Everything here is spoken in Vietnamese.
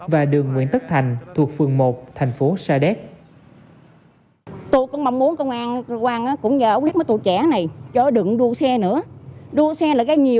và đường nguyễn tất thành